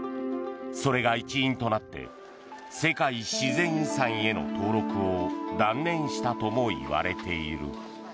それが一因となって世界自然遺産への登録を断念したとも言われている。